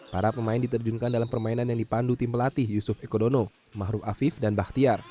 para pemain diterjunkan dalam permainan yang dipandu tim pelatih yusuf eko dono mahruf afif dan bahtiar